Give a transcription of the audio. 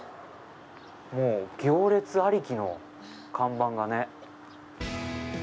もう行列ありきの看板がね。